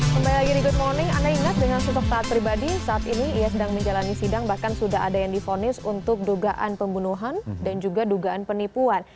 kembali lagi di good morning anda ingat dengan sosok taat pribadi saat ini ia sedang menjalani sidang bahkan sudah ada yang difonis untuk dugaan pembunuhan dan juga dugaan penipuan